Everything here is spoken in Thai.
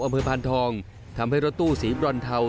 อเมืองพันธองทำให้รถตู้สีบรอนเทา